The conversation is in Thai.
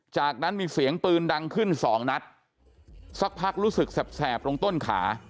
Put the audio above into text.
จากนั้นมีเสียงปืนดังขึ้นสองนัดสักพักรู้สึกแสบตรงต้นขา